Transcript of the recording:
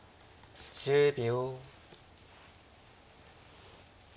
１０秒。